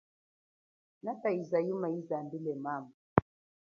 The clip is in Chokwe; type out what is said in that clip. Nataiza yuma ambile mama.